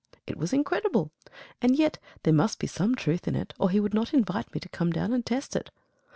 It was incredible. And yet there must be some truth in it, or he would not invite me to come down and test it.